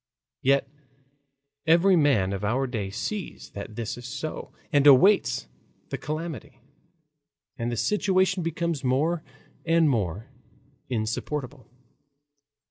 Yet every man of our day sees that this is so and awaits the calamity. And the situation becomes more and more insupportable.